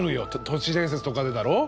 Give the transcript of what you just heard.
「都市伝説」とかでだろう？